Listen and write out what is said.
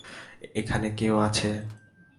এখানে কেউ আছে!